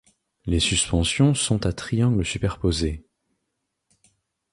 Les suspensions sont à triangles superposés.